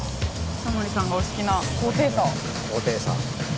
タモリさんがお好きな高低差。